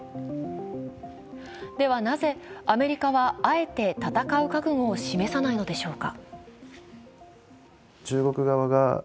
では、なぜアメリカはあえて戦う覚悟を示さないのでしょうか。